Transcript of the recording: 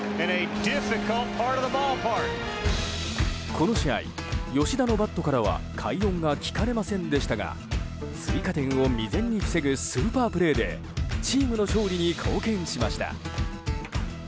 この試合、吉田のバットからは快音が聞かれませんでしたが追加点を未然に防ぐスーパープレーでチームの勝利に貢献しました。